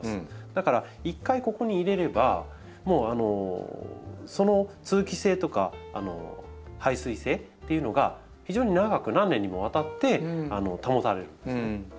だから一回ここに入れればもうその通気性とか排水性っていうのが非常に長く何年にもわたって保たれるんです。